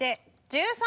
１３。